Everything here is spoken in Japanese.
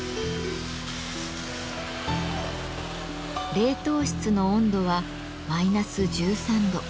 冷凍室の温度はマイナス１３度。